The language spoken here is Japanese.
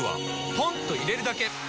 ポンと入れるだけ！